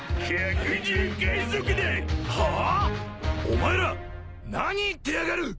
お前ら何言ってやがる！